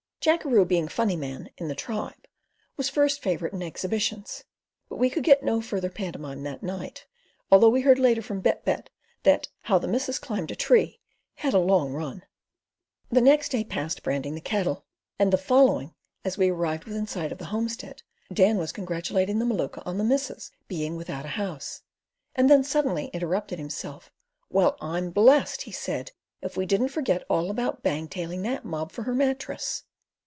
Jackeroo being "funny man" in the tribe, was first favourite in exhibitions; but we could get no further pantomime that night, although we heard later from Bett Bett that "How the missus climbed a tree" had a long run. The next day passed branding the cattle, and the following as we arrived within sight of the homestead, Dan was congratulating the Maluka on the "missus being without a house," and then he suddenly interrupted himself "Well, I'm blest!" he said. "If we didn't forget all about bangtailing that mob for her mattress."